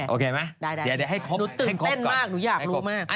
โอเคไหมให้ครบให้ครบก่อน